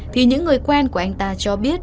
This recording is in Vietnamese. thì những người quen của anh ta cho biết